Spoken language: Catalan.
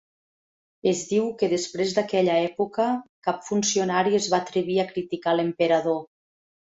Es diu que després d'aquella època, cap funcionari es va atrevir a criticar l'emperador.